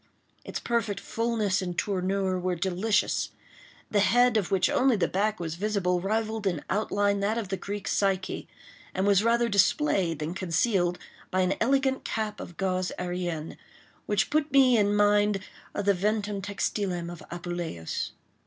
Its perfect fullness and tournure were delicious. The head, of which only the back was visible, rivalled in outline that of the Greek Psyche, and was rather displayed than concealed by an elegant cap of gaze äérienne, which put me in mind of the ventum textilem of Apuleius.